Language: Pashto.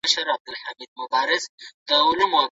د نیشاپور په جګړه کي څه ډول توپونه وکارول سول؟